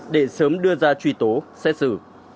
để sớm đưa ra truy tố xét xử